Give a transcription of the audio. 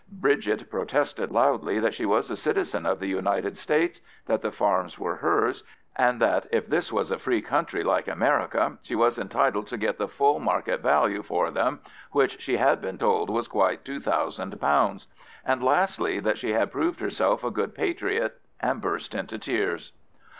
Bridget protested loudly that she was a citizen of the United States, that the farms were hers, and that if this was a free country like America she was entitled to get the full market value for them, which she had been told was quite two thousand pounds; and lastly, that she had proved herself a good patriot, and burst into tears.